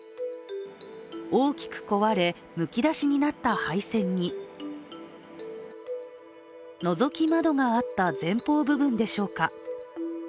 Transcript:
大きく壊れ、むき出しになった配線にのぞき窓があった前方部分でしょうか。